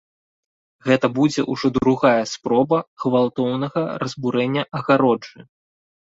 Гэта будзе ўжо другая спроба гвалтоўнага разбурэння агароджы.